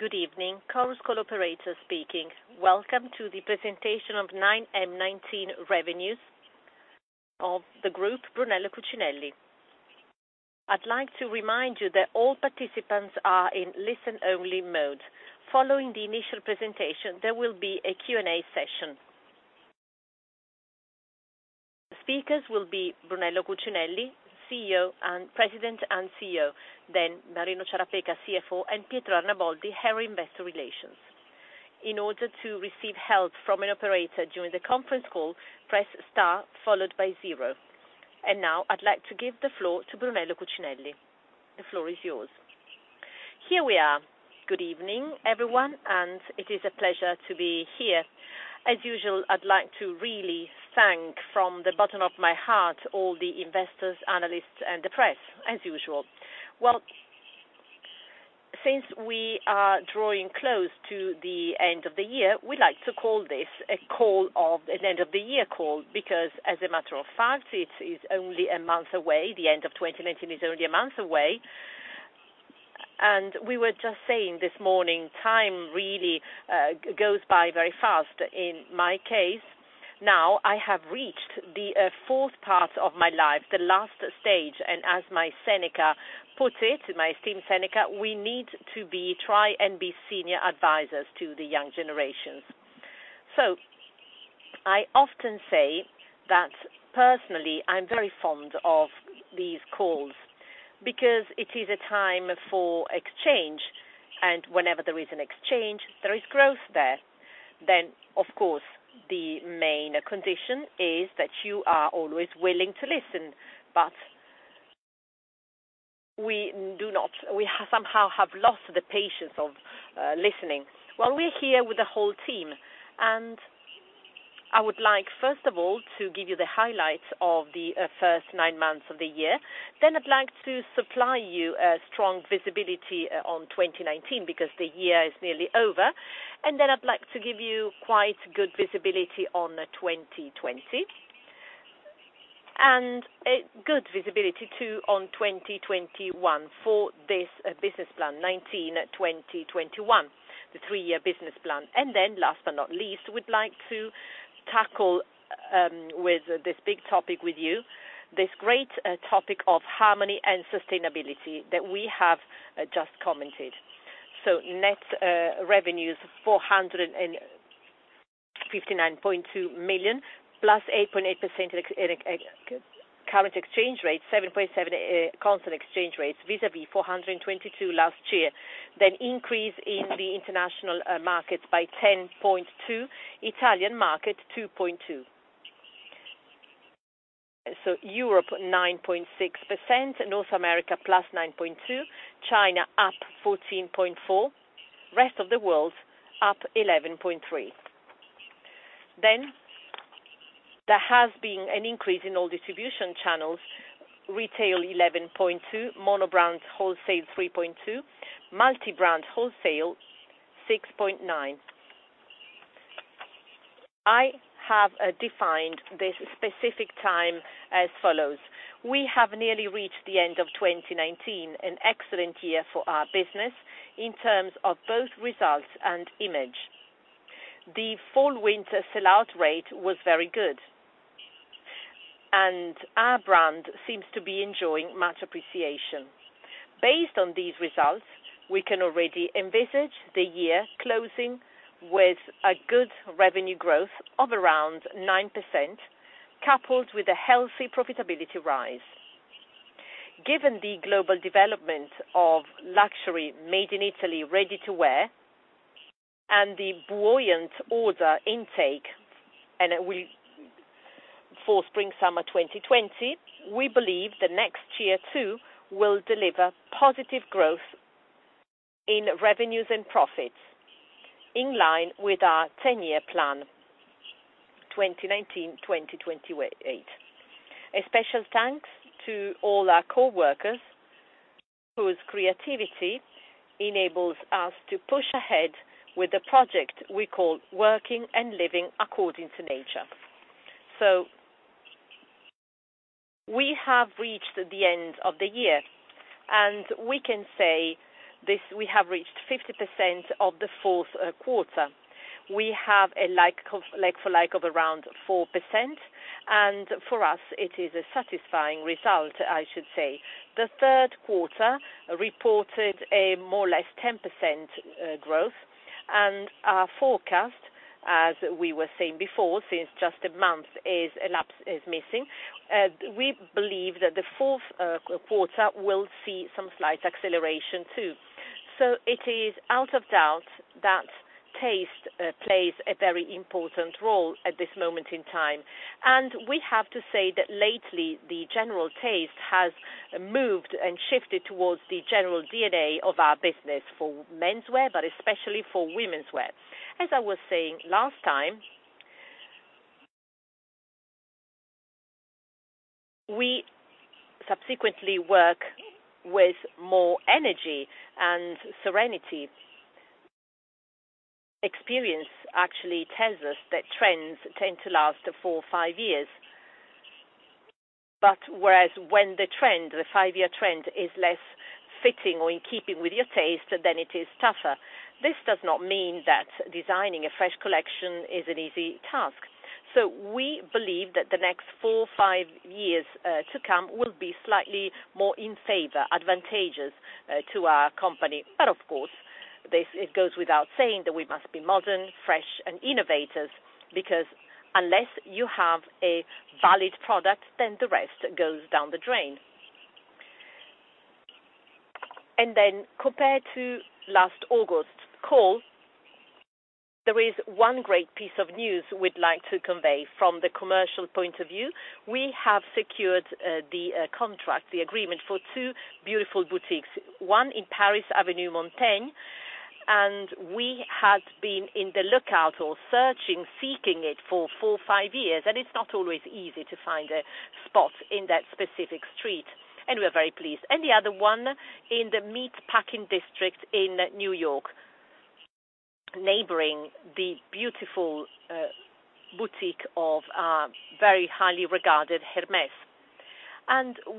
Good evening, Chorus Call operator speaking. Welcome to the presentation of 9M19 revenues of the group, Brunello Cucinelli. I'd like to remind you that all participants are in listen-only mode. Following the initial presentation, there will be a Q&A session. Speakers will be Brunello Cucinelli, President and CEO, then Moreno Ciarapica, CFO, and Pietro Arnaboldi, Head of Investor Relations. In order to receive help from an operator during the conference call, press star followed by zero. Now I'd like to give the floor to Brunello Cucinelli. The floor is yours. Here we are. Good evening, everyone, and it is a pleasure to be here. As usual, I'd like to really thank, from the bottom of my heart, all the investors, analysts, and the press, as usual. Well, since we are drawing close to the end of the year, we like to call this an end of the year call because as a matter of fact, the end of 2019 is only a month away. We were just saying this morning, time really goes by very fast. In my case, now I have reached the fourth part of my life, the last stage. As my esteemed Seneca puts it, we need to try and be senior advisors to the young generations. I often say that personally, I'm very fond of these calls because it is a time for exchange, and whenever there is an exchange, there is growth there. Of course, the main condition is that you are always willing to listen, but we somehow have lost the patience of listening. Well, we're here with the whole team, and I would like, first of all, to give you the highlights of the first nine months of the year. I'd like to supply you a strong visibility on 2019 because the year is nearly over, and then I'd like to give you quite good visibility on 2020, and a good visibility too on 2021 for this business plan, 2019-2021, the three-year business plan. Last but not least, we'd like to tackle this big topic with you, this great topic of harmony and sustainability that we have just commented. Net revenues, 459.2 million, +8.8% in current exchange rates, 7.7 constant exchange rates vis-a-vis 422 last year. Increase in the international markets by 10.2%, Italian market 2.2%. Europe 9.6%, North America +9.2%, China up 14.4%, rest of the world up 11.3%. There has been an increase in all distribution channels, retail 11.2%, monobrand wholesale 3.2%, multi-brand wholesale 6.9%. I have defined this specific time as follows. We have nearly reached the end of 2019, an excellent year for our business in terms of both results and image. The fall/winter sell-out rate was very good, and our brand seems to be enjoying much appreciation. Based on these results, we can already envisage the year closing with a good revenue growth of around 9%, coupled with a healthy profitability rise. Given the global development of luxury made in Italy ready-to-wear, and the buoyant order intake for spring/summer 2020, we believe the next year too will deliver positive growth in revenues and profits in line with our 10-year plan, 2019-2028. A special thanks to all our coworkers whose creativity enables us to push ahead with the project we call Working and Living According to Nature. We have reached the end of the year, and we can say we have reached 50% of the fourth quarter. We have a like for like of around 4%, and for us, it is a satisfying result, I should say. The third quarter reported a more or less 10% growth, and our forecast, as we were saying before, since just a month is missing, we believe that the fourth quarter will see some slight acceleration, too. It is out of doubt that taste plays a very important role at this moment in time, and we have to say that lately, the general taste has moved and shifted towards the general DNA of our business for menswear, but especially for womenswear. As I was saying last time, we subsequently work with more energy and serenity. Experience actually tells us that trends tend to last four, five years. Whereas when the trend, the five-year trend, is less fitting or in keeping with your taste, then it is tougher. This does not mean that designing a fresh collection is an easy task. We believe that the next four, five years to come will be slightly more in favor, advantageous to our company. Of course, it goes without saying that we must be modern, fresh, and innovators, because unless you have a valid product, then the rest goes down the drain. Compared to last August call, there is one great piece of news we'd like to convey from the commercial point of view. We have secured the contract, the agreement for two beautiful boutiques, one in Paris, Avenue Montaigne. We had been in the lookout or searching, seeking it for four, five years. It's not always easy to find a spot in that specific street. We're very pleased. The other one in the Meatpacking District in New York, neighboring the beautiful boutique of very highly regarded Hermès.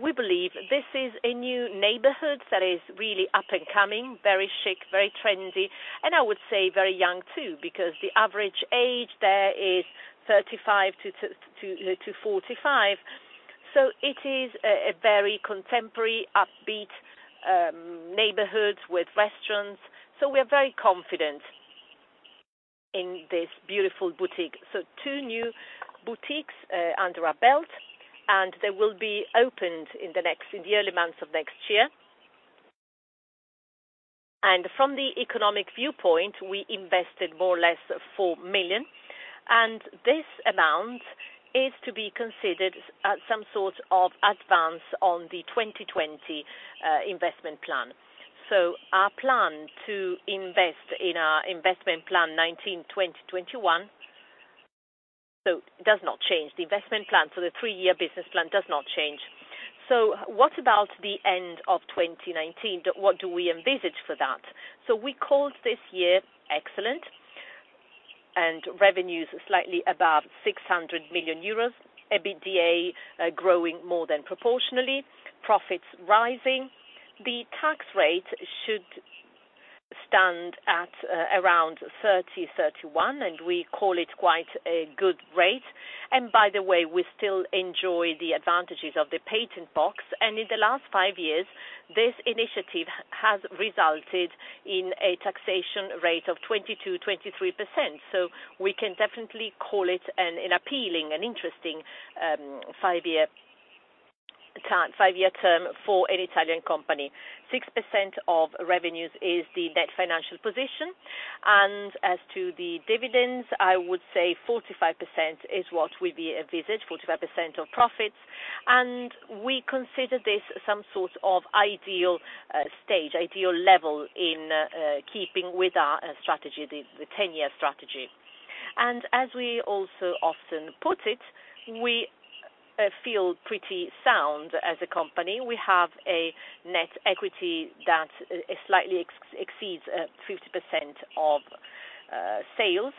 We believe this is a new neighborhood that is really up and coming, very chic, very trendy. I would say very young, too, because the average age there is 35 to 45. It is a very contemporary, upbeat neighborhood with restaurants. We're very confident in this beautiful boutique. Two new boutiques under our belt. They will be opened in the early months of next year. From the economic viewpoint, we invested more or less 4 million. This amount is to be considered as some sort of advance on the 2020 investment plan. Our plan to invest in our investment plan 2019, 2020, 2021, it does not change. The investment plan for the three-year business plan does not change. What about the end of 2019? What do we envisage for that? We called this year excellent, and revenues slightly above 600 million euros, EBITDA growing more than proportionally, profits rising. The tax rate should stand at around 30%-31%, and we call it quite a good rate. By the way, we still enjoy the advantages of the Patent Box. In the last five years, this initiative has resulted in a taxation rate of 22%-23%. We can definitely call it an appealing and interesting five-year term for an Italian company. 6% of revenues is the net financial position. As to the dividends, I would say 45% is what we envisage, 45% of profits. We consider this some sort of ideal stage, ideal level in keeping with our strategy, the 10-year strategy. As we also often put it, we feel pretty sound as a company. We have a net equity that slightly exceeds 50% of sales.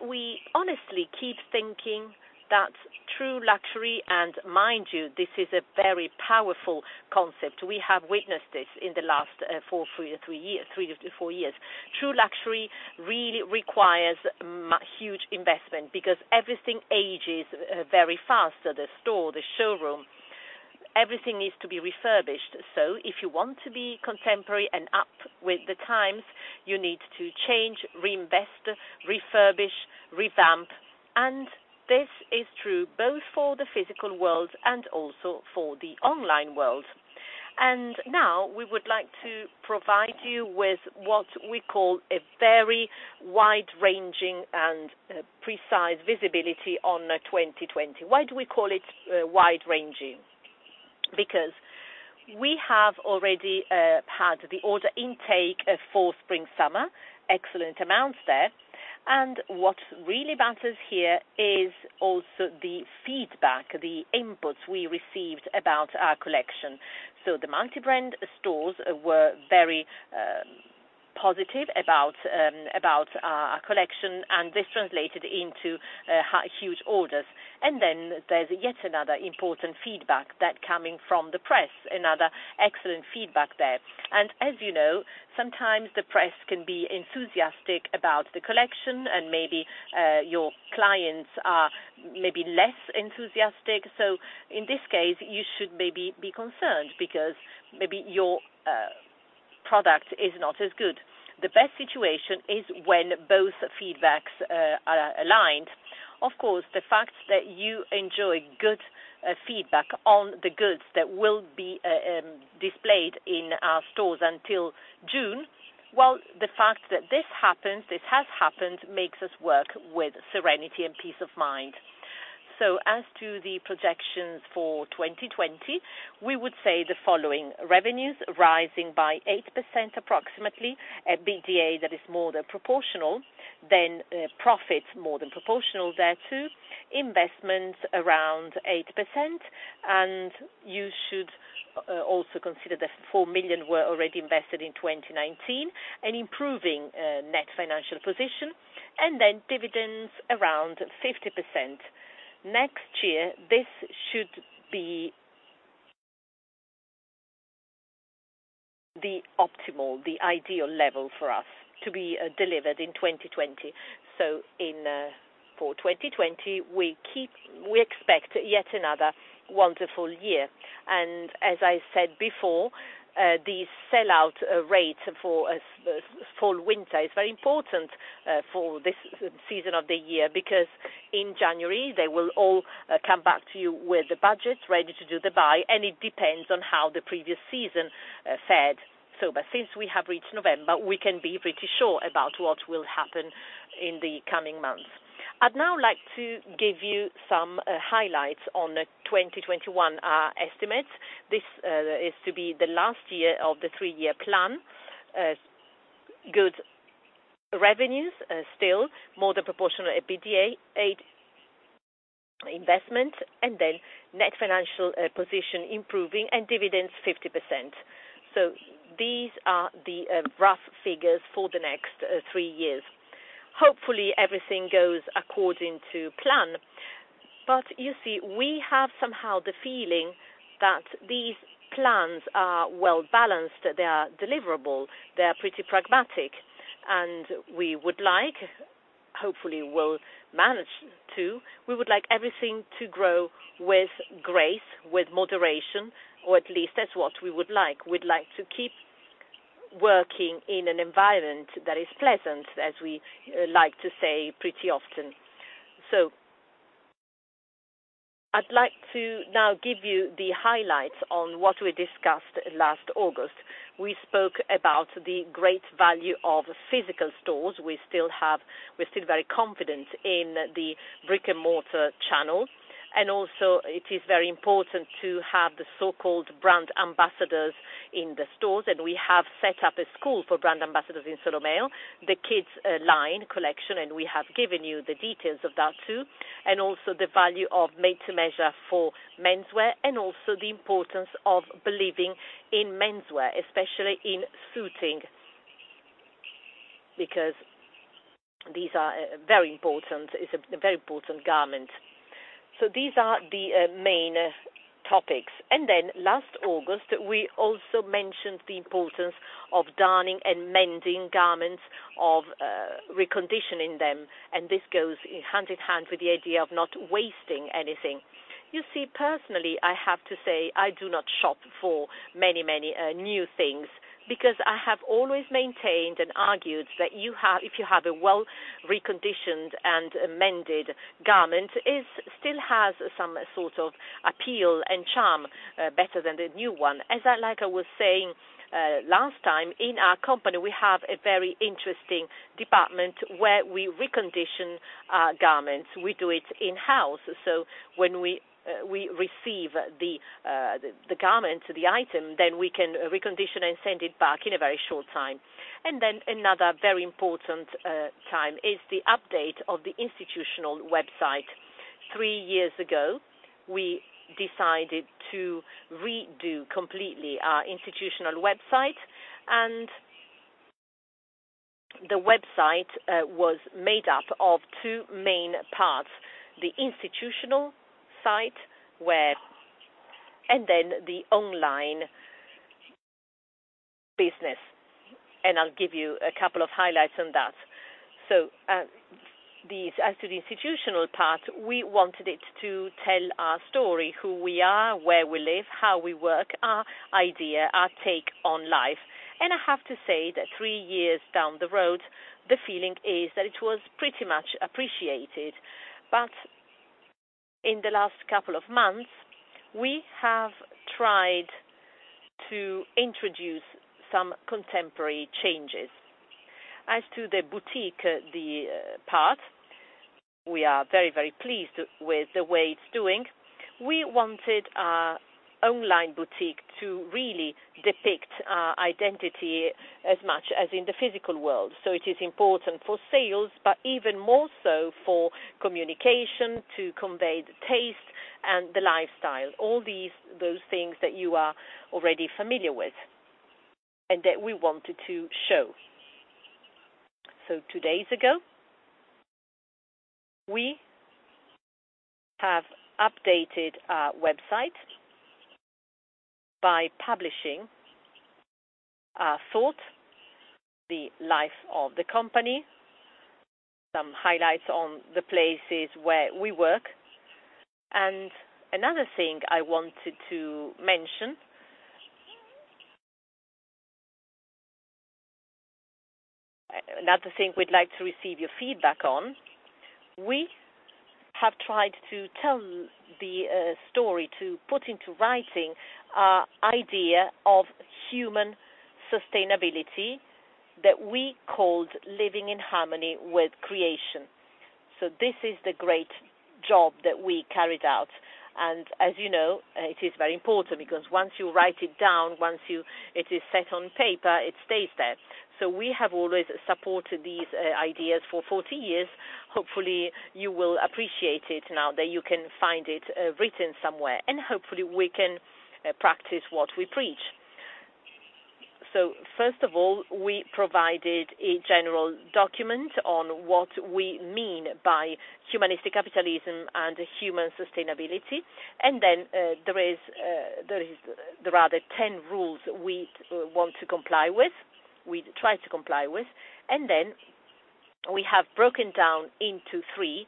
We honestly keep thinking that true luxury, and mind you, this is a very powerful concept. We have witnessed this in the last 3-4 years. True luxury really requires huge investment because everything ages very fast, so the store, the showroom, everything needs to be refurbished. If you want to be contemporary and up with the times, you need to change, reinvest, refurbish, revamp. This is true both for the physical world and also for the online world. Now we would like to provide you with what we call a very wide-ranging and precise visibility on 2020. Why do we call it wide-ranging? Because we have already had the order intake for spring/summer, excellent amounts there. What really matters here is also the feedback, the inputs we received about our collection. The multi-brand stores were very positive about our collection, and this translated into huge orders. There's yet another important feedback that coming from the press, another excellent feedback there. As you know, sometimes the press can be enthusiastic about the collection, and maybe your clients are maybe less enthusiastic. In this case, you should maybe be concerned because maybe your product is not as good. The best situation is when both feedbacks are aligned. The fact that you enjoy good feedback on the goods that will be displayed in our stores until June, the fact that this happens, this has happened, makes us work with serenity and peace of mind. As to the projections for 2020, we would say the following. Revenues rising by 8% approximately, EBITDA that is more than proportional, then profits more than proportional there, too, investments around 8%. You should also consider that 4 million were already invested in 2019, improving net financial position, and then dividends around 50%. Next year, this should be the optimal, the ideal level for us to be delivered in 2020. For 2020, we expect yet another wonderful year. As I said before, these sell-out rates for fall/winter is very important for this season of the year, because in January, they will all come back to you with the budget ready to do the buy, and it depends on how the previous season fared. Since we have reached November, we can be pretty sure about what will happen in the coming months. I'd now like to give you some highlights on the 2021 estimates. This is to be the last year of the three-year plan. Good revenues, still more than proportional EBITDA investment, and then net financial position improving and dividends 50%. These are the rough figures for the next three years. Hopefully, everything goes according to plan. You see, we have somehow the feeling that these plans are well-balanced, they are deliverable, they are pretty pragmatic, and we would like, hopefully will manage to, we would like everything to grow with grace, with moderation, or at least that's what we would like. We'd like to keep working in an environment that is pleasant, as we like to say pretty often. I'd like to now give you the highlights on what we discussed last August. We spoke about the great value of physical stores. We're still very confident in the brick-and-mortar channels, and also it is very important to have the so-called brand ambassadors in the stores. We have set up a school for brand ambassadors in Solomeo, the kids line collection, and we have given you the details of that, too. Also the value of made to measure for menswear, and also the importance of believing in menswear, especially in suiting, because these are very important. It's a very important garment. These are the main topics. Last August, we also mentioned the importance of darning and mending garments, of reconditioning them, and this goes hand in hand with the idea of not wasting anything. You see, personally, I have to say I do not shop for many new things because I have always maintained and argued that if you have a well reconditioned and mended garment, it still has some sort of appeal and charm better than the new one. As I was saying last time, in our company, we have a very interesting department where we recondition our garments. We do it in-house. When we receive the garment, the item, then we can recondition and send it back in a very short time. Another very important time is the update of the institutional website. Three years ago, we decided to redo completely our institutional website, and the website was made up of two main parts, the institutional site and then the online business. I'll give you a couple of highlights on that. As to the institutional part, we wanted it to tell our story, who we are, where we live, how we work, our idea, our take on life. I have to say that three years down the road, the feeling is that it was pretty much appreciated. In the last couple of months, we have tried to introduce some contemporary changes. As to the boutique part, we are very, very pleased with the way it's doing. We wanted our online boutique to really depict our identity as much as in the physical world. It is important for sales, but even more so for communication, to convey the taste and the lifestyle, all those things that you are already familiar with and that we wanted to show. Two days ago, we have updated our website by publishing our thoughts, the life of the company, some highlights on the places where we work. Another thing I wanted to mention, another thing we'd like to receive your feedback on, we have tried to tell the story, to put into writing our idea of Human Sustainability that we called Living in Harmony with Creation. This is the great job that we carried out, and as you know, it is very important because once you write it down, once it is set on paper, it stays there. We have always supported these ideas for 40 years. Hopefully, you will appreciate it now that you can find it written somewhere, and hopefully, we can practice what we preach. First of all, we provided a general document on what we mean by Humanistic Capitalism and Human Sustainability. Then there are the 10 rules we want to comply with, we try to comply with. Then we have broken down into three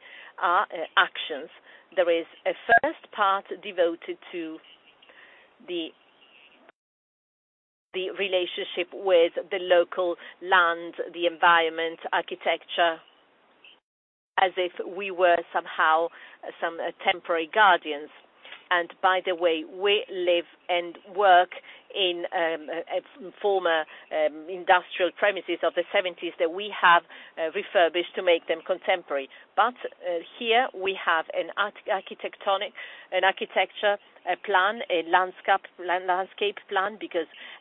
actions. There is a first part devoted to the relationship with the local land, the environment, architecture, as if we were somehow some temporary guardians. By the way, we live and work in former industrial premises of the '70s that we have refurbished to make them contemporary. Here we have an architecture plan, a landscape plan,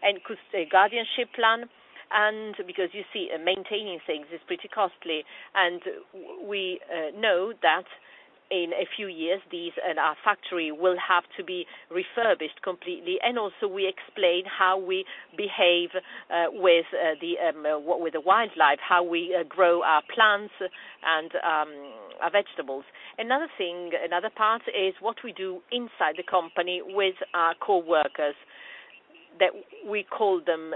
and a guardianship plan. Because you see, maintaining things is pretty costly. We know that in a few years these, and our factory, will have to be refurbished completely. Also we explain how we behave with the wildlife, how we grow our plants and our vegetables. Another part is what we do inside the company with our coworkers, that we call them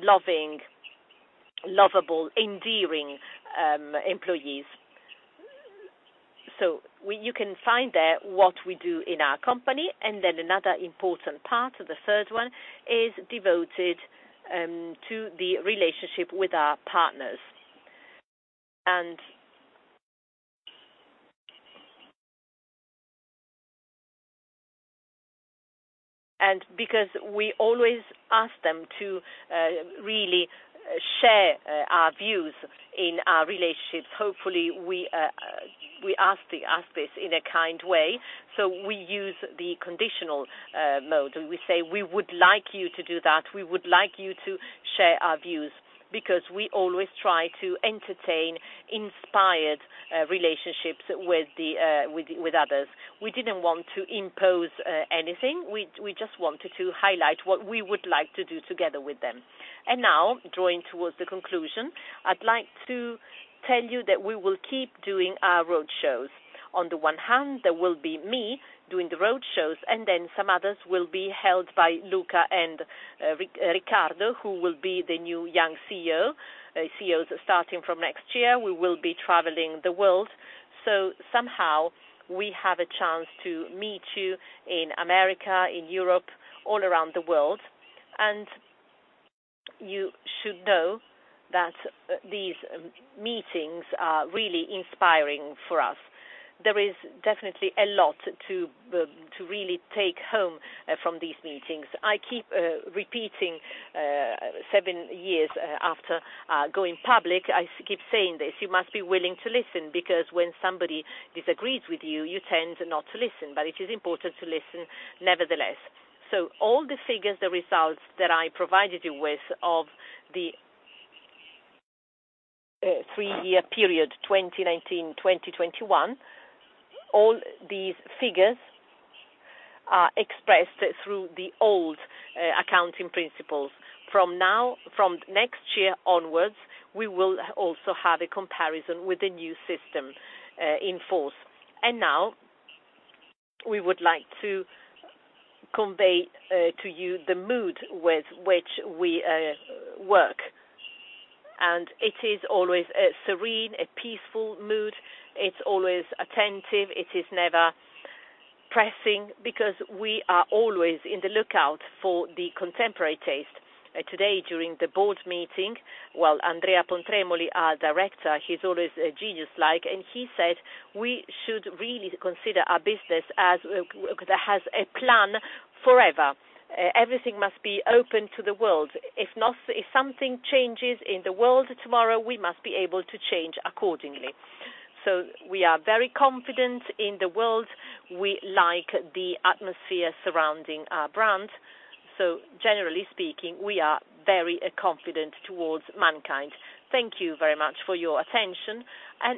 loving, lovable, endearing employees. You can find there what we do in our company. Another important part, the third one, is devoted to the relationship with our partners. Because we always ask them to really share our views in our relationships, hopefully we ask this in a kind way. We use the conditional mode, and we say, "We would like you to do that." "We would like you to share our views," because we always try to entertain inspired relationships with others. We didn't want to impose anything. We just wanted to highlight what we would like to do together with them. Now, drawing towards the conclusion, I'd like to tell you that we will keep doing our road shows. On the one hand, there will be me doing the road shows, and then some others will be held by Luca and Riccardo, who will be the new young CEOs starting from next year. We will be traveling the world. Somehow we have a chance to meet you in America, in Europe, all around the world. You should know that these meetings are really inspiring for us. There is definitely a lot to really take home from these meetings. I keep repeating, seven years after going public, I keep saying this, you must be willing to listen, because when somebody disagrees with you tend not to listen. It is important to listen nevertheless. All the figures, the results that I provided you with of the three-year period, 2019, 2021, all these figures are expressed through the old accounting principles. From next year onwards, we will also have a comparison with the new system in force. Now we would like to convey to you the mood with which we work. It is always a serene, a peaceful mood. It's always attentive. It is never pressing, because we are always on the lookout for the contemporary taste. Today, during the board meeting, Andrea Pontremoli, our director, he's always genius-like, He said we should really consider our business as it has a plan forever. Everything must be open to the world. If something changes in the world tomorrow, we must be able to change accordingly. We are very confident in the world. We like the atmosphere surrounding our brand. Generally speaking, we are very confident towards mankind. Thank you very much for your attention.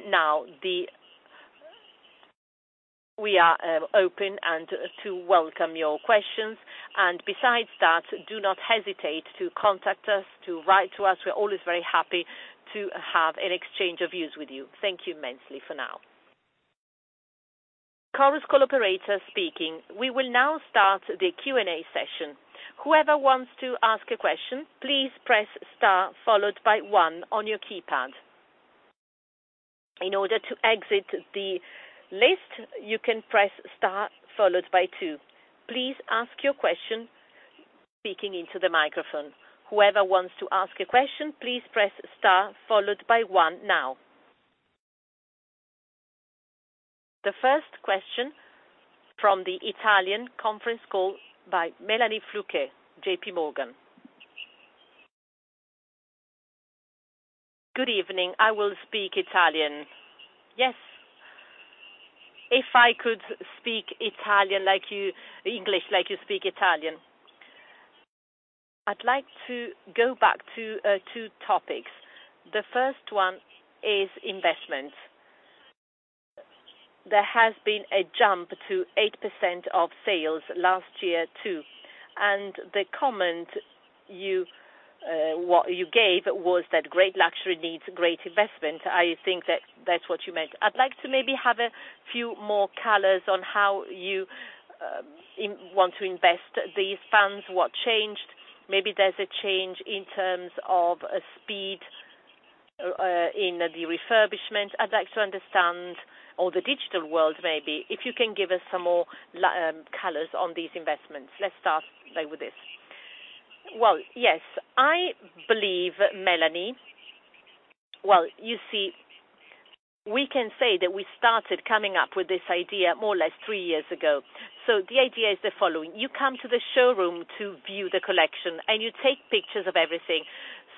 Now we are open to welcome your questions. Besides that, do not hesitate to contact us, to write to us. We're always very happy to have an exchange of views with you. Thank you immensely for now. Chorus Call operator speaking. We will now start the Q&A session. Whoever wants to ask a question, please press star followed by one on your keypad. In order to exit the list, you can press star followed by two. Please ask your question, speaking into the microphone. Whoever wants to ask a question, please press star followed by one now. The first question from the Italian conference call by Melanie Fluke, JP Morgan. Good evening. I will speak Italian. Yes. If I could speak English like you speak Italian. I'd like to go back to two topics. The first one is investment. There has been a jump to 8% of sales last year, too. The comment you gave was that great luxury needs great investment. I think that's what you meant. I'd like to maybe have a few more colors on how you want to invest these funds. What changed? Maybe there's a change in terms of speed in the refurbishment. I'd like to understand, or the digital world, maybe, if you can give us some more colors on these investments. Let's start with this. Well, yes. I believe, Melanie, well, you see, we can say that we started coming up with this idea more or less three years ago. The idea is the following. You come to the showroom to view the collection, and you take pictures of everything.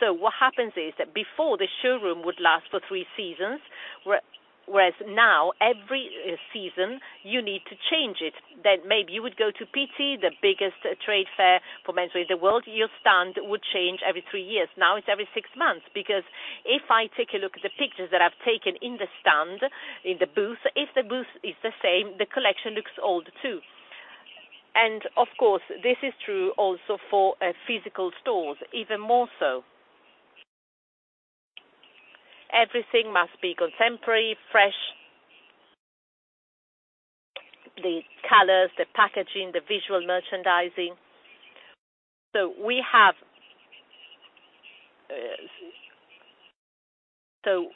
What happens is that before, the showroom would last for three seasons, whereas now every season you need to change it. Maybe you would go to Pitti, the biggest trade fair for menswear in the world. Your stand would change every three years. Now it's every six months, because if I take a look at the pictures that I've taken in the stand, in the booth, if the booth is the same, the collection looks old, too. Of course, this is true also for physical stores even more so. Everything must be contemporary, fresh. The colors, the packaging, the visual merchandising.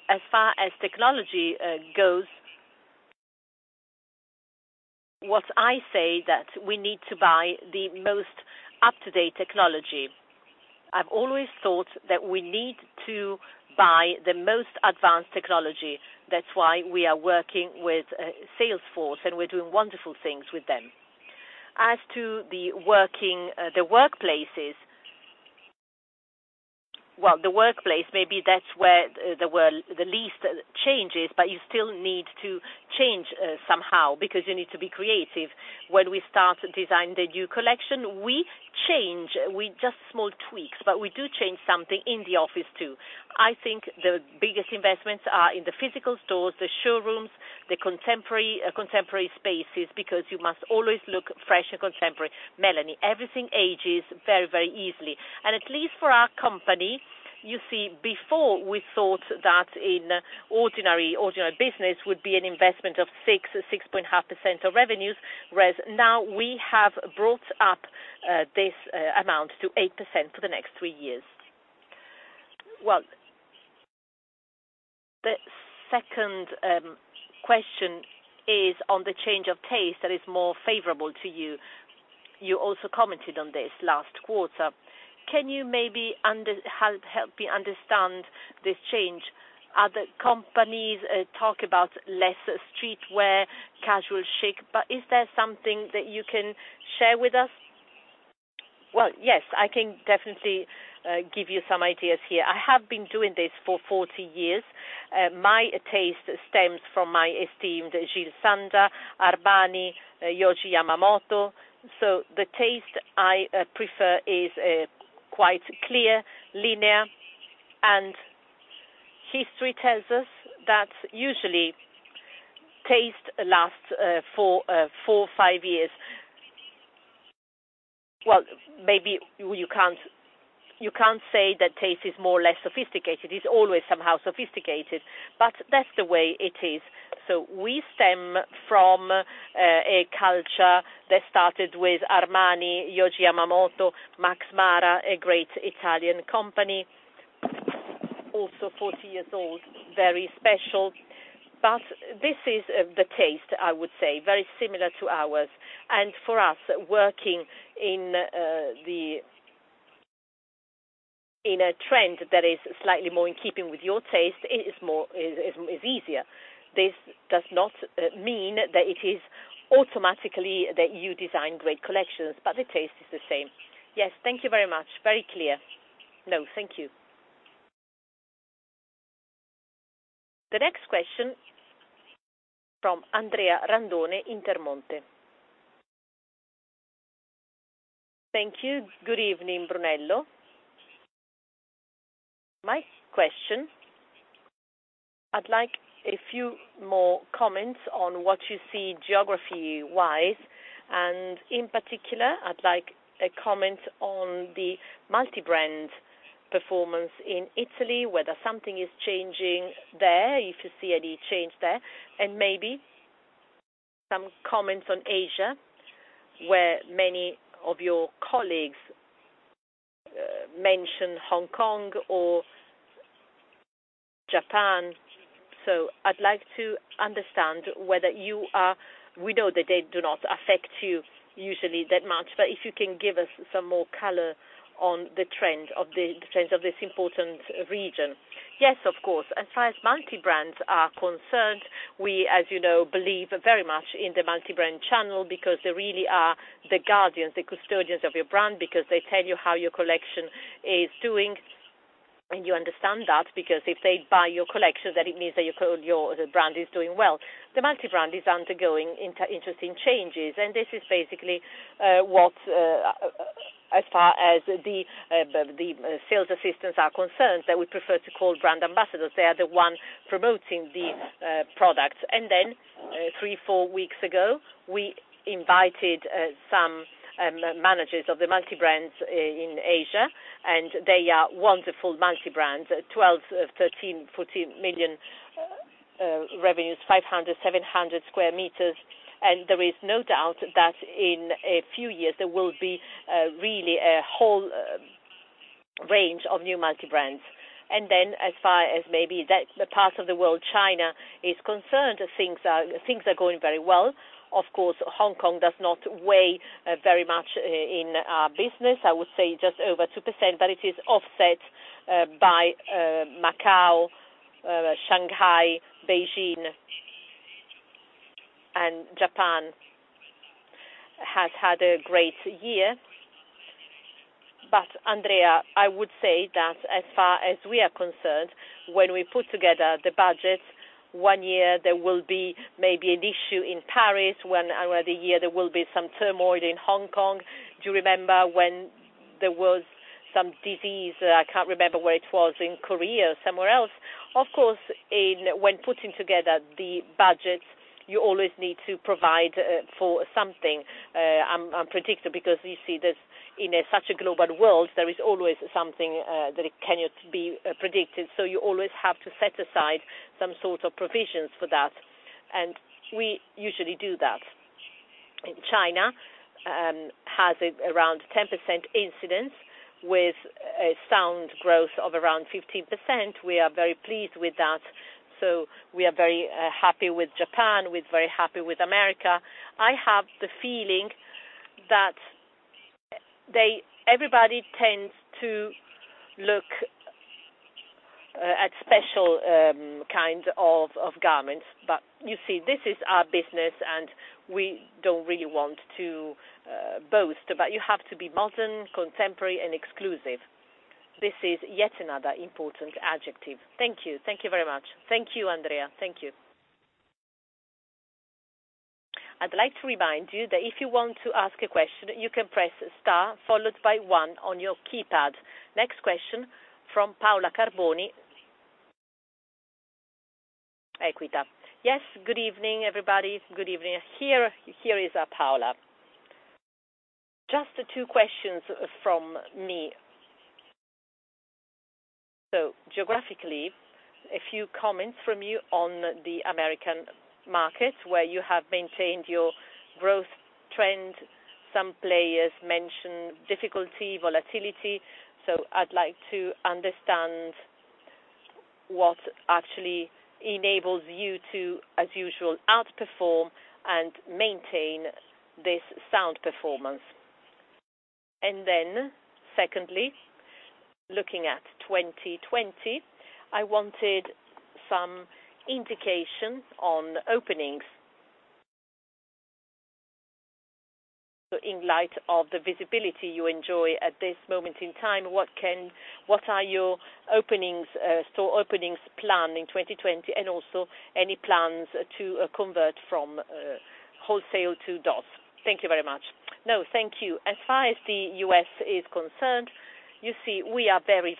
As far as technology goes, what I say that we need to buy the most up-to-date technology. I've always thought that we need to buy the most advanced technology. That's why we are working with Salesforce, and we're doing wonderful things with them. As to the workplaces, well, the workplace, maybe that's where there were the least changes, but you still need to change somehow because you need to be creative. When we start to design the new collection, we change with just small tweaks, but we do change something in the office, too. I think the biggest investments are in the physical stores, the showrooms, the contemporary spaces, because you must always look fresh and contemporary. Melanie, everything ages very, very easily. At least for our company, you see, before we thought that in ordinary business would be an investment of 6.5% of revenues, whereas now we have brought up this amount to 8% for the next three years. The second question is on the change of taste that is more favorable to you. You also commented on this last quarter. Can you maybe help me understand this change? Other companies talk about less streetwear, casual chic, is there something that you can share with us? Yes, I can definitely give you some ideas here. I have been doing this for 40 years. My taste stems from my esteemed Jil Sander, Armani, Yohji Yamamoto. The taste I prefer is quite clear, linear, and history tells us that usually taste lasts for four or five years. Maybe you can't say that taste is more or less sophisticated. It's always somehow sophisticated, but that's the way it is. We stem from a culture that started with Armani, Yohji Yamamoto, Max Mara, a great Italian company, also 40 years old, very special. This is the taste, I would say, very similar to ours. For us, working in a trend that is slightly more in keeping with your taste is easier. This does not mean that it is automatically that you design great collections, but the taste is the same. Yes. Thank you very much. Very clear. No, thank you. The next question from Andrea Randone, Intermonte. Thank you. Good evening, Brunello. My question, I’d like a few more comments on what you see geography-wise, and in particular, I’d like a comment on the multi-brand performance in Italy, whether something is changing there, if you see any change there, and maybe some comments on Asia, where many of your colleagues mention Hong Kong or Japan. We know that they do not affect you usually that much, but if you can give us some more color on the trend of this important region. Yes, of course. As far as multi-brands are concerned, we, as you know, believe very much in the multi-brand channel because they really are the guardians, the custodians of your brand, because they tell you how your collection is doing. You understand that because if they buy your collection, then it means that your brand is doing well. The multi-brand is undergoing interesting changes. This is basically what, as far as the sales assistants are concerned, that we prefer to call brand ambassadors. They are the one promoting the products. Three, four weeks ago, we invited some managers of the multi-brands in Asia, and they are wonderful multi-brands, 12 million, 13 million, 14 million revenues, 500, 700 sq m. There is no doubt that in a few years, there will be really a whole range of new multi-brands. As far as maybe that part of the world, China, is concerned, things are going very well. Of course, Hong Kong does not weigh very much in our business. I would say just over 2%. It is offset by Macau, Shanghai, Beijing, and Japan has had a great year. Andrea, I would say that as far as we are concerned, when we put together the budget, one year there will be maybe an issue in Paris. One other year there will be some turmoil in Hong Kong. Do you remember when there was some disease? I can't remember where it was, in Korea or somewhere else. Of course, when putting together the budget, you always need to provide for something unpredictable, because you see that in such a global world, there is always something that cannot be predicted. You always have to set aside some sort of provisions for that, and we usually do that. China has around 10% incidence with a sound growth of around 15%. We are very pleased with that. We are very happy with Japan, we're very happy with America. I have the feeling that everybody tends to look at special kinds of garments. You see, this is our business, and we don't really want to boast, but you have to be modern, contemp orary, and exclusive. This is yet another important adjective. Thank you. Thank you very much. Thank you, Andrea. Thank you. I'd like to remind you that if you want to ask a question, you can press star followed by one on your keypad. Next question from Paola Carboni, EQUITA. Yes. Good evening, everybody. Good evening. Here is Paola. Just two questions from me. Geographically, a few comments from you on the American market, where you have maintained your growth trend. Some players mention difficulty, volatility. I'd like to understand what actually enables you to, as usual, outperform and maintain this sound performance. Secondly, looking at 2020, I wanted some indication on openings. In light of the visibility you enjoy at this moment in time, what are your store openings plan in 2020, and also any plans to convert from wholesale to DOS? Thank you very much. No, thank you. As far as the U.S. is concerned, we are very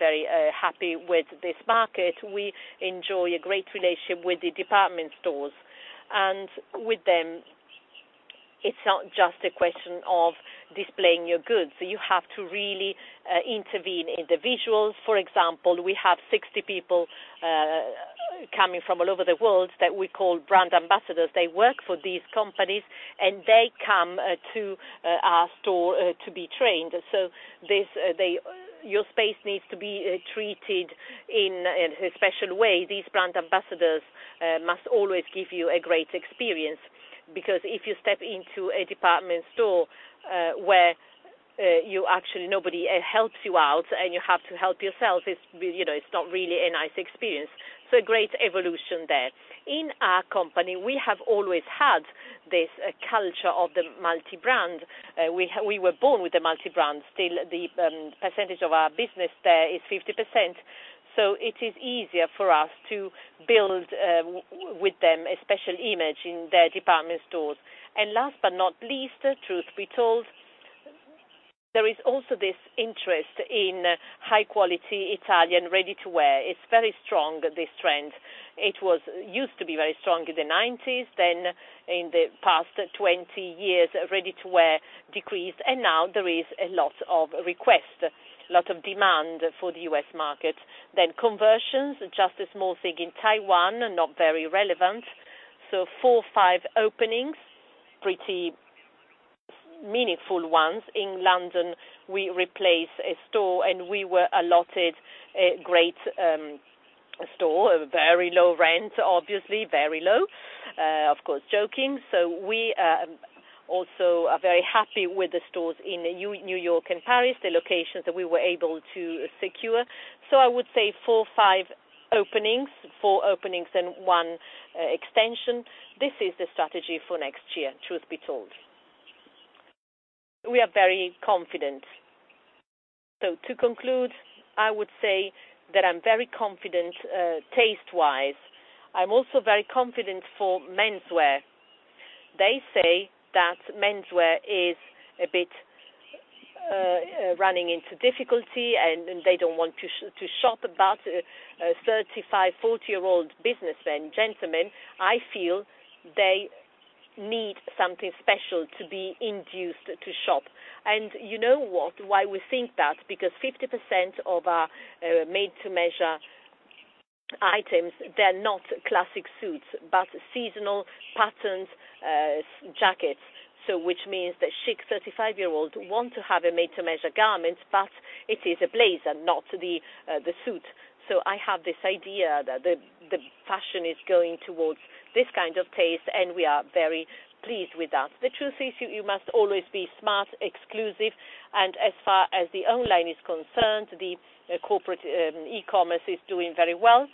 happy with this market. We enjoy a great relationship with the department stores. With them, it's not just a question of displaying your goods. You have to really intervene. Individuals, for example, we have 60 people coming from all over the world that we call brand ambassadors. They work for these companies, and they come to our store to be trained. Your space needs to be treated in a special way. These brand ambassadors must always give you a great experience, because if you step into a department store where actually nobody helps you out, and you have to help yourself, it's not really a nice experience. A great evolution there. In our company, we have always had this culture of the multi-brand. We were born with a multi-brand. Still, the percentage of our business there is 50%, so it is easier for us to build with them a special image in their department stores. Last but not least, truth be told, there is also this interest in high quality Italian ready-to-wear. It's very strong, this trend. It used to be very strong in the '90s. In the past 20 years, ready-to-wear decreased, and now there is a lot of request, a lot of demand for the U.S. market. Conversions, just a small thing in Taiwan, not very relevant. Four, five openings, pretty meaningful ones. In London, we replaced a store, and we were allotted a great store, a very low rent, obviously, very low. Of course, joking. We also are very happy with the stores in New York and Paris, the locations that we were able to secure. I would say four, five openings, four openings and one extension. This is the strategy for next year, truth be told. We are very confident. To conclude, I would say that I'm very confident taste-wise. I'm also very confident for menswear. They say that menswear is a bit running into difficulty, and they don't want to shop. A 35, 40-year-old businessman, gentleman, I feel they need something special to be induced to shop. You know what? Why we think that? 50% of our made-to-measure items, they're not classic suits, but seasonal patterned jackets. Which means that chic 35-year-olds want to have a made-to-measure garment, but it is a blazer, not the suit. I have this idea that the fashion is going towards this kind of taste, and we are very pleased with that. The truth is, you must always be smart, exclusive, and as far as the online is concerned, the corporate e-commerce is doing very well.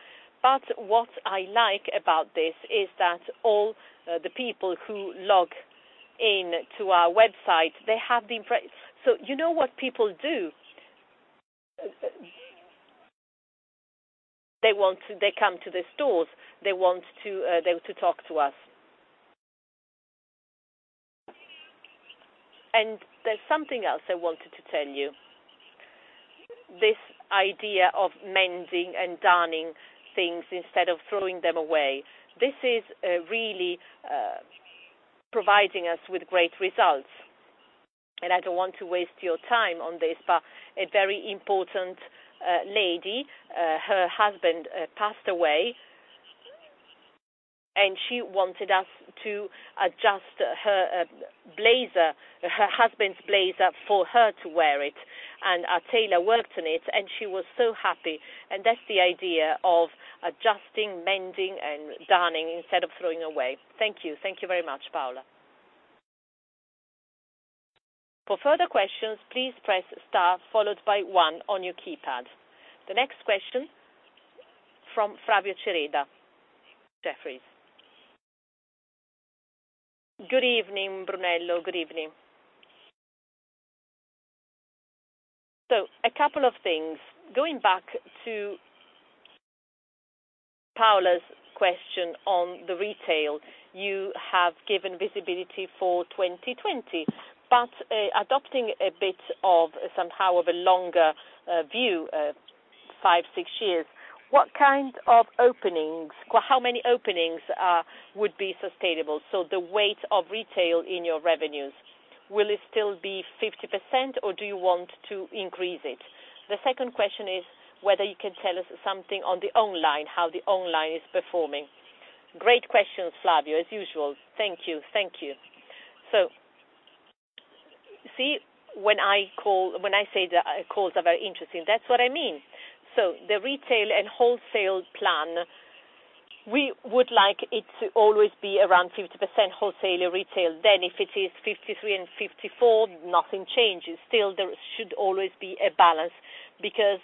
What I like about this is that all the people who log in to our website, you know what people do? They come to the stores. They want to talk to us. There's something else I wanted to tell you. This idea of mending and darning things instead of throwing them away, this is really providing us with great results, and I don't want to waste your time on this, but a very important lady, her husband passed away, and she wanted us to adjust her husband's blazer for her to wear it. Our tailor worked on it, and she was so happy, and that's the idea of adjusting, mending, and darning instead of throwing away. Thank you. Thank you very much, Paola. For further questions, please press star followed by one on your keypad. The next question from Flavio Cereda, Jefferies. Good evening, Brunello. Good evening. A couple of things. Going back to Paola's question on the retail, you have given visibility for 2020, but adopting a bit of somehow of a longer view, five, six years, what kind of openings, how many openings would be sustainable? The weight of retail in your revenues, will it still be 50%, or do you want to increase it? The second question is whether you can tell us something on the online, how the online is performing. Great questions, Flavio, as usual. Thank you. See, when I say the calls are very interesting, that's what I mean. The retail and wholesale plan, we would like it to always be around 50% wholesale or retail. If it is 53% and 54%, nothing changes. Still, there should always be a balance, because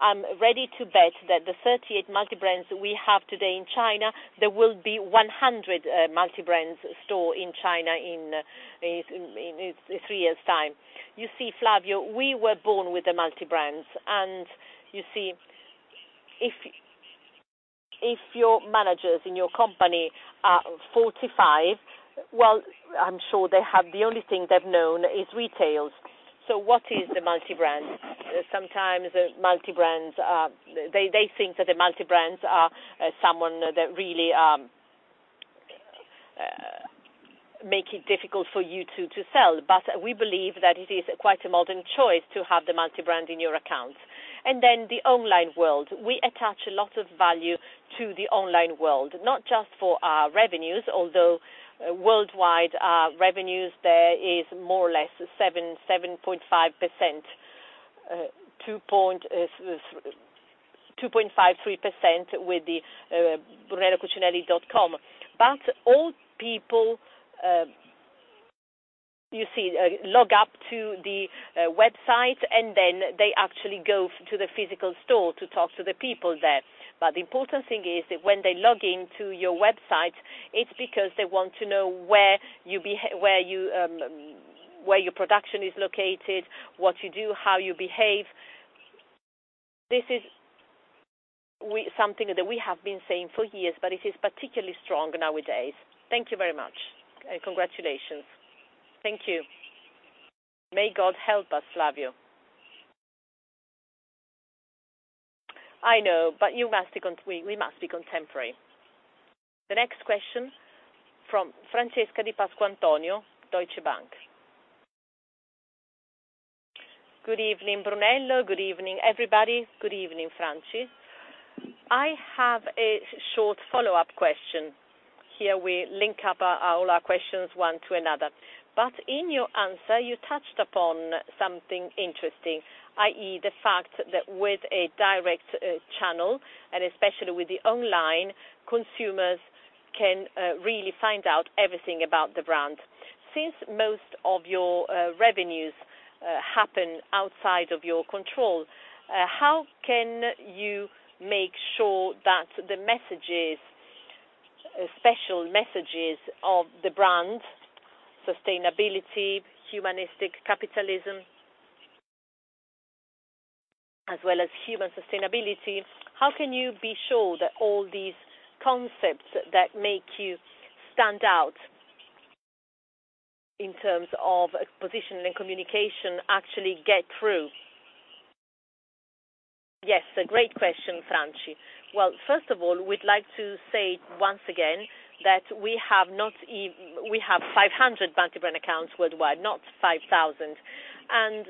I'm ready to bet that the 38 multi-brands we have today in China, there will be 100 multi-brand stores in China in three years' time. You see, Flavio, we were born with the multi-brands, and you see, if your managers in your company are 45, well, I'm sure the only thing they've known is retail. What is the multi-brand? Sometimes they think that the multi-brands are someone that really make it difficult for you to sell. We believe that it is quite a modern choice to have the multi-brand in your account. The online world, we attach a lot of value to the online world, not just for our revenues, although worldwide revenues, there is more or less 7.5%, 2.53% with the brunellocucinelli.com. All people log up to the website, and then they actually go to the physical store to talk to the people there. The important thing is that when they log in to your website, it's because they want to know where your production is located, what you do, how you behave. This is something that we have been saying for years, but it is particularly strong nowadays. Thank you very much, and congratulations. Thank you. May God help us, Flavio. I know, we must be contemporary. The next question from Francesca Di Pasquantonio, Deutsche Bank. Good evening, Brunello. Good evening, everybody. Good evening, Franci. I have a short follow-up question. Here we link up all our questions, one to another. In your answer, you touched upon something interesting, i.e., the fact that with a direct channel, and especially with the online, consumers can really find out everything about the brand. Since most of your revenues happen outside of your control, how can you make sure that the special messages of the brand, sustainability, Humanistic Capitalism, as well as Human Sustainability, how can you be sure that all these concepts that make you stand out in terms of positioning communication actually get through? Yes, a great question, Franci. First of all, we'd like to say once again that we have 500 multi-brand accounts worldwide, not 5,000.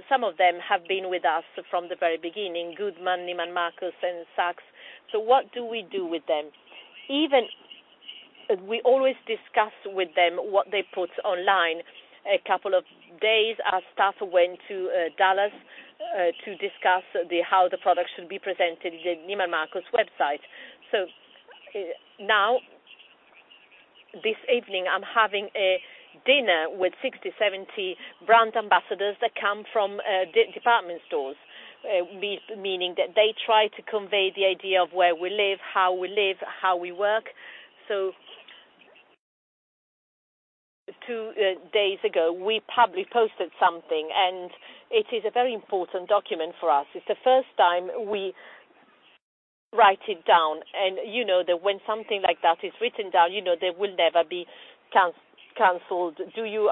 Some of them have been with us from the very beginning, Goodman, Neiman Marcus, and Saks. What do we do with them? We always discuss with them what they put online. A couple of days, our staff went to Dallas to discuss how the product should be presented in the Neiman Marcus website. Now, this evening, I'm having a dinner with 60, 70 brand ambassadors that come from department stores, meaning that they try to convey the idea of where we live, how we live, how we work. Two days ago, we publicly posted something, and it is a very important document for us. It's the first time we wrote it down, you know that when something like that is written down, they will never be canceled. Do you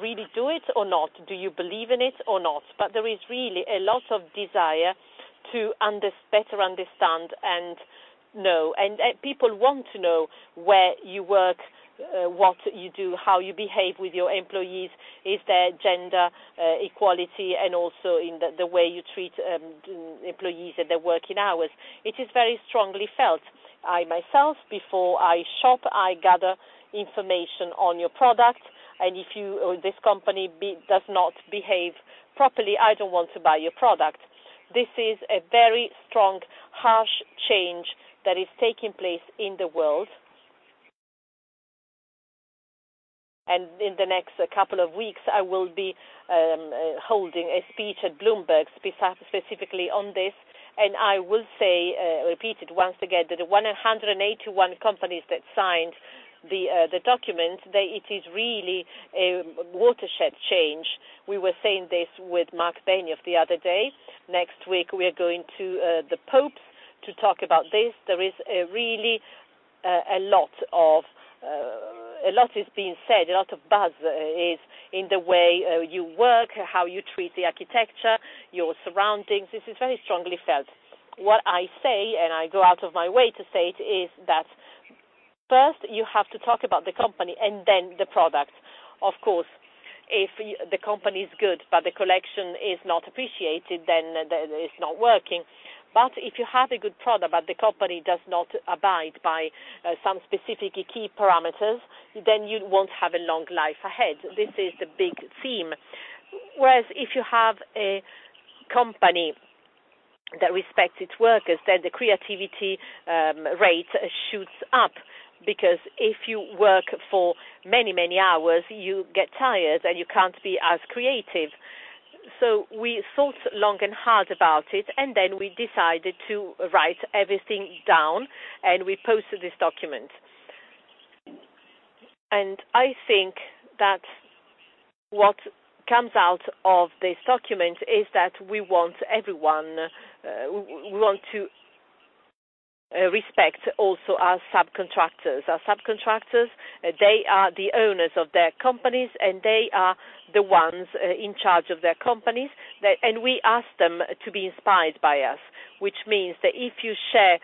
really do it or not? Do you believe in it or not? There is really a lot of desire to better understand and know. People want to know where you work, what you do, how you behave with your employees, if there's gender equality, and also in the way you treat employees and their working hours. It is very strongly felt. I myself, before I shop, I gather information on your product, if this company does not behave properly, I don't want to buy your product. This is a very strong, harsh change that is taking place in the world. In the next couple of weeks, I will be holding a speech at Bloomberg specifically on this, and I will say, repeat it once again, that the 181 companies that signed the document, that it is really a watershed change. We were saying this with Marc Benioff the other day. Next week we are going to the Pope to talk about this. There is really a lot is being said, a lot of buzz is in the way you work, how you treat the architecture, your surroundings. This is very strongly felt. What I say, and I go out of my way to say it, is that first you have to talk about the company and then the product. Of course, if the company is good but the collection is not appreciated, then it's not working. If you have a good product but the company does not abide by some specific key parameters, then you won't have a long life ahead. This is the big theme. If you have a company that respects its workers, then the creativity rate shoots up, because if you work for many hours, you get tired and you can't be as creative. We thought long and hard about it, and then we decided to write everything down, and we posted this document. I think that what comes out of this document is that we want to respect also our subcontractors. Our subcontractors, they are the owners of their companies, and they are the ones in charge of their companies. We ask them to be inspired by us, which means that if you share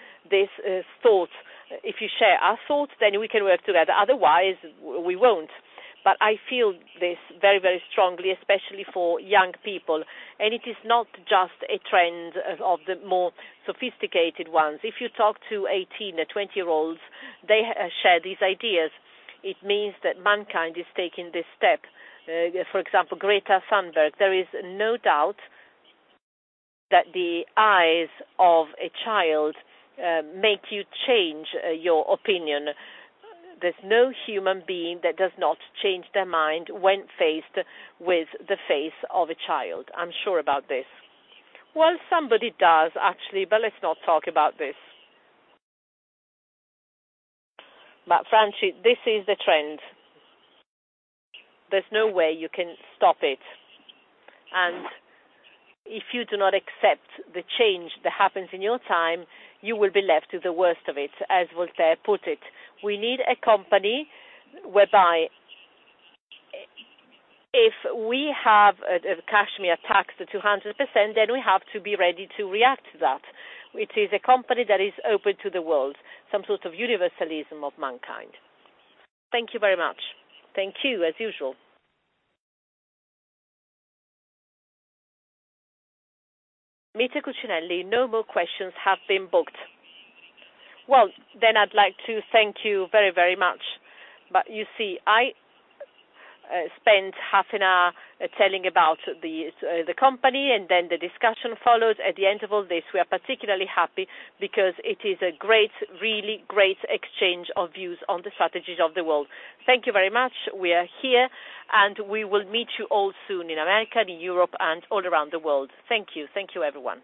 our thoughts, then we can work together. Otherwise, we won't. I feel this very strongly, especially for young people. It is not just a trend of the more sophisticated ones. If you talk to 18 to 20-year-olds, they share these ideas. It means that mankind is taking this step. For example, Greta Thunberg, there is no doubt that the eyes of a child make you change your opinion. There's no human being that does not change their mind when faced with the face of a child. I'm sure about this. Well, somebody does, actually, but let's not talk about this. Franci, this is the trend. There's no way you can stop it. If you do not accept the change that happens in your time, you will be left with the worst of it, as Voltaire put it. We need a company whereby if we have a cashmere tax of 200%, then we have to be ready to react to that, which is a company that is open to the world, some sort of universalism of mankind. Thank you very much. Thank you, as usual. Mita Cucinelli, no more questions have been booked. Then I'd like to thank you very much. You see, I spent half an hour telling about the company, and then the discussion followed. At the end of all this, we are particularly happy because it is a great, really great exchange of views on the strategies of the world. Thank you very much. We are here, and we will meet you all soon in America, in Europe, and all around the world. Thank you. Thank you, everyone.